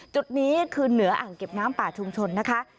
จุดนี้คือเหนืออ่างเก็บน้ำป่าชุมชนนะคะ